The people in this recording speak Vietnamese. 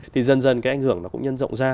thì dần dần cái ảnh hưởng nó cũng nhân rộng ra